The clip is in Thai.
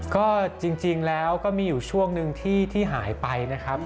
ก็จริงแล้วก็มีอยู่ช่วงหนึ่งที่หายไปนะครับ